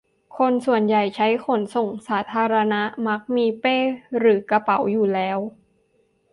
ส่วนคนที่ใช้ขนส่งสาธารณะมักมีเป้หรือกระเป๋าอยู่แล้ว